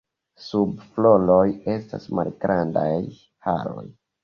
Sub floroj estas malgrandaj haroj.